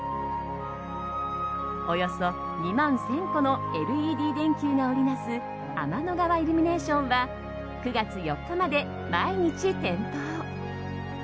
およそ２万１０００個のＬＥＤ電球が織り成す天の川イルミネーションは９月４日まで毎日点灯。